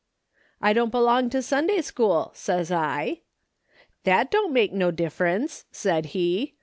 "' I don't belong to Sunday school,' says I. "' That don't make no difference,' said he.